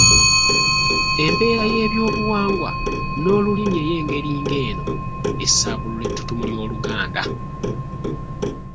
Embeera y’ebyobuwangwa n’Olulimi ey’engeri ng’eno esaabulula ettutumu ly’Oluganda